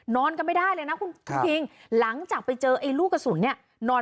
นอนกันไม่ได้เลยนะคุณคุกพีคหลังจากไปเจอลูกกระสุนนอนไม่ได้ค่ะ